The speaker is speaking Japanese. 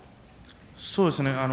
そうですね。